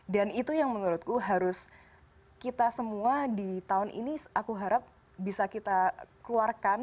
itu yang menurutku harus kita semua di tahun ini aku harap bisa kita keluarkan